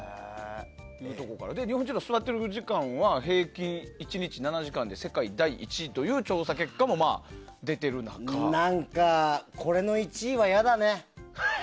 日本人が座ってる時間は平均で１日７時間で世界第１位という調査結果も何か、これの１位はやだね。